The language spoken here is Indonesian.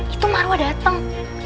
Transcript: itu marwah dateng